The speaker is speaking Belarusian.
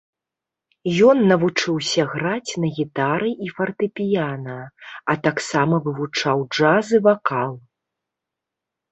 Ён навучыўся граць на гітары і фартэпіяна, а таксама вывучаў джаз і вакал.